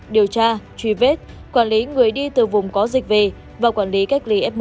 điều tra truy vết quản lý người đi từ vùng có dịch về và quản lý cách ly f một